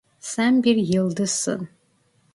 Sen bir yıldızsın.